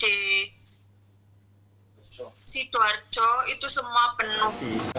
sidoarjo itu semua penuh